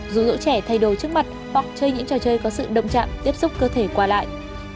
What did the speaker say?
dù đỗ trẻ thay đổi trước mặt hoặc chơi những trò chơi có sự động chạm tiếp xúc cơ thể qua lại